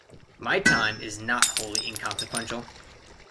My time is not wholly inconsequential.